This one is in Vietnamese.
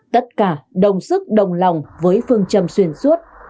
tất cả đồng sức đồng lòng với phương trầm xuyên suốt